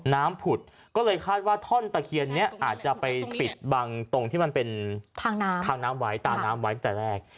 ผุดก็เลยคาดว่าท่อนตะเคียนนี้อาจจะไปปิดบังตรงที่มันเป็นทางน้ำทางน้ำไว้ตามน้ำไว้ตั้งแต่แรก